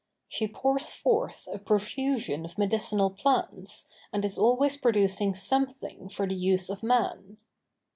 She pours forth a profusion of medicinal plants, and is always producing something for the use of man.